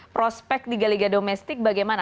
prospek liga liga domestik bagaimana